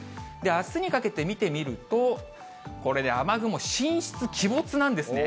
あすにかけて見てみると、これね、雨雲、神出鬼没なんですね。